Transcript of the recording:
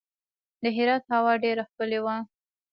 د هرات هوا ډیره ښکلې وه.